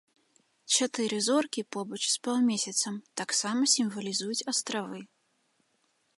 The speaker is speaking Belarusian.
Чатыры зоркі побач з паўмесяцам таксама сімвалізуюць астравы.